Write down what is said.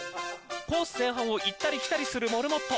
コース前半を行ったり来たりするモルモット。